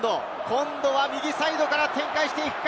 今度は右サイドから展開していくか。